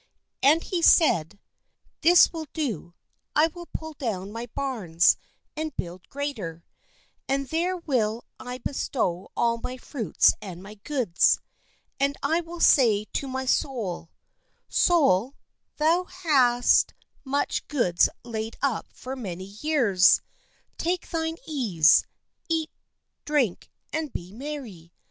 '* And he said : "This will I do: I will pull down my barns, and build greater; and there will I bestow all my fruits and my goods. And I will say to my soul :' Soul, thou THE FOOL AND HIS GOODS for many years ; take thine ease, eat, drink, and be * merry.